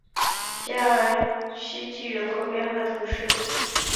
加尔希济人口变化图示